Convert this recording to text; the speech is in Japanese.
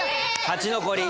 勝ち残り。